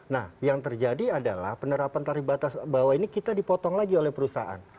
nah yang terjadi adalah penerapan tarif batas bawah ini kita dipotong lagi oleh perusahaan